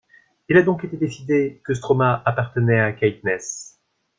Il a donc été décidé que Stroma appartenait à Caithness.